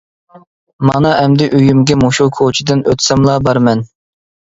مانا ئەمدى ئۆيۈمگە مۇشۇ كوچىدىن ئۆتسەملا بارىمەن.